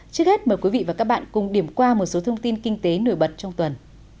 trước hết mời quý vị và các bạn cùng điểm qua một số thông tin kinh tế nổi bật trong tuần